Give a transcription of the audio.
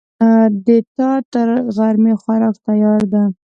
د تا دغرمې خوراک تیار ده